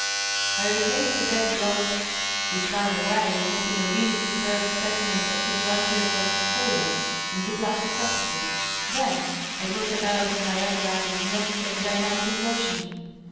I replaced the dead growth 682 DOUGLAS DUANE, (which, by the way, had been a really superb specimen of Hydrangea qjierdfolia) in the glass receptacle. Then I brought about in my ap paratus the necessaiy dynamic exertion.